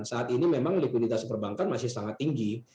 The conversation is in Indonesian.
saat ini memang likuiditas perbankan masih sangat tinggi